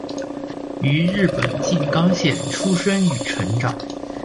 于日本静冈县出生与成长。